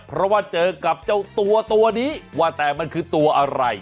เพราะว่าเจอกับเจ้าตัวตัวนี้ว่าแต่มันคือตัวอะไร